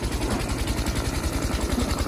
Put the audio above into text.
Ningzah a theih lomi khi a ruat ṭhan i a ning a zak.